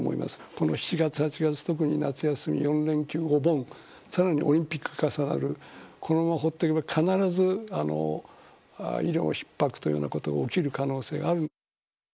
この７月、８月、特に夏休み、４連休、お盆、さらにオリンピック重なる、このまま放っておけば必ず医療ひっ迫というようなことが起きる可能性がある。